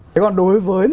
thế còn đối với